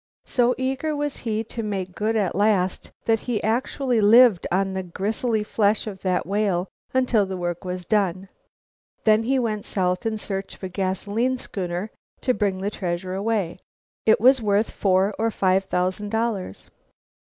So eager was he to make good at last that he actually lived on the gristly flesh of that whale until the work was done. Then he went south in search of a gasoline schooner to bring the treasure away. It was worth four or five thousand dollars.